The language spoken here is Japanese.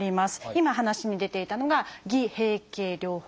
今話に出ていたのが偽閉経療法でしたよね。